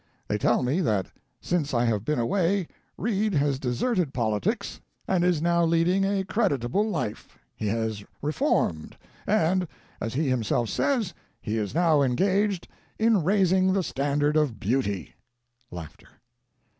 They tell me that since I have been away Reed has deserted politics and is now leading a creditable life; he has reformed and, as he himself says, he is now engaged in raising the standard of beauty. [Laughter.